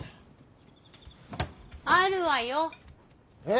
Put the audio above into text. あるわよ。え？